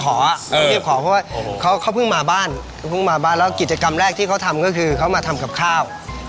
รีบขอเพราะว่าเขาเพิ่งมาบ้านแล้วกิจกรรมแรกที่เขาทำก็คือเขามาทำกับข้าว